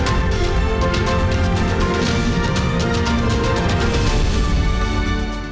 saya fayun izzar salam malam